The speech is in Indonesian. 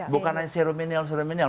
bukan hanya sereminial sereminial